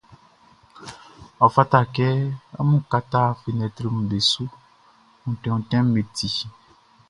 Ɔ fata kɛ amun kata fenɛtriʼm be su, onti ontinʼm be ti.